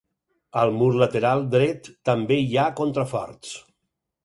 Al mur lateral dret també hi ha contraforts.